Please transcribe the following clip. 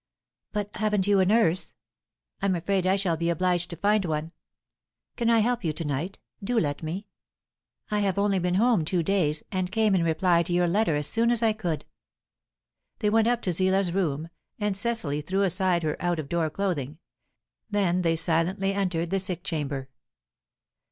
"But haven't you a nurse?" "I'm afraid I shall be obliged to find one." "Can I help you to night? Do let me. I have only been home two days, and came in reply to your letter as soon as I could." They went up to Zillah's room, and Cecily threw aside her out of door clothing. Then they silently entered the sick chamber.